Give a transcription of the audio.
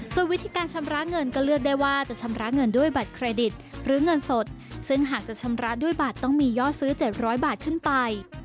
ส่วนวิธีการชำระเงินก็เลือกได้ว่าจะชำระเงินด้วยบัตรเครดิตหรือเงินสดซึ่งหากจะชำระด้วยบัตรต้องมียอดซื้อ๗๐๐บาทขึ้นไป